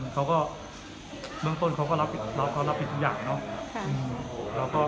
เขาก็เบื้องต้นเขาก็รับอีกทุกอย่างเนอะ